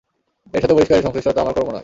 এর সাথে বহিষ্কারের সংশ্লিষ্টতা আমার কর্ম নয়।